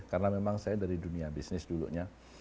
karena memang saya dari dunia bisnis dulunya